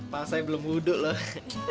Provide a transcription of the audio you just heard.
masanya belum wudu loh